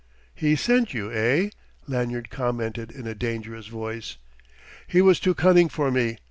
"He sent you, eh?" Lanyard commented in a dangerous voice. "He was too cunning for me...